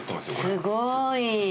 すごい。